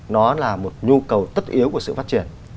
nó là một nhu cầu tất yếu của sự phát triển